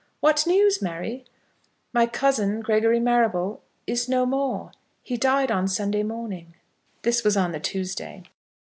"What news, Mary?" "My cousin, Gregory Marrable, is no more; he died on Sunday morning." This was on the Tuesday.